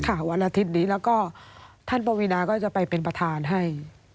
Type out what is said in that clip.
วันอาทิตย์นี้แล้วก็ท่านปวีนาก็จะไปเป็นประธานให้